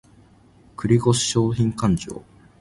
繰越商品勘定